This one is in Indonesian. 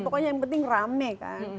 pokoknya yang penting rame kan